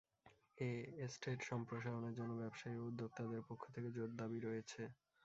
এ estate সম্প্রসারণের জন্য ব্যবসায়ী ও উদ্যোক্তাদের পক্ষ থেকে জোর দাবী রয়েছে।